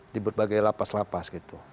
di berbagai lapas lapas gitu